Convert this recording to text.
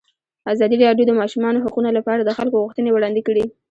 ازادي راډیو د د ماشومانو حقونه لپاره د خلکو غوښتنې وړاندې کړي.